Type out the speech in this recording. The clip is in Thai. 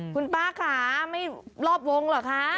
คุณป้าค่ะไม่รอบวงเหรอคะ